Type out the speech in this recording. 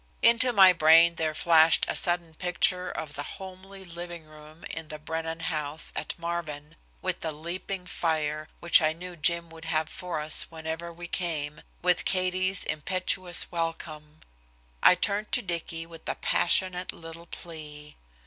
Into my brain there flashed a sudden picture of the homely living room in the Brennan house at Marvin, with the leaping fire, which I knew Jim would have for us whenever we came, with Katie's impetuous welcome. I turned to Dicky with a passionate little plea.